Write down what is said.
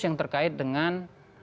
yang terkait dengan